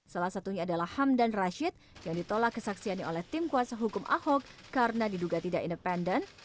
salah satunya adalah hamdan rashid yang ditolak kesaksiannya oleh tim kuasa hukum ahok karena diduga tidak independen